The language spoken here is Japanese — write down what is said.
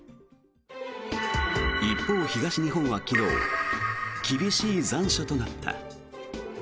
一方、東日本は昨日厳しい残暑となった。